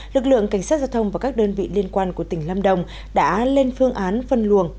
lực lượng cảnh sát giao thông và các đơn vị liên quan của tỉnh lâm đồng đã lên phương án phân luồng